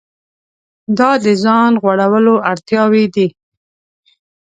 دا د ځان غوړولو اړتیاوې دي.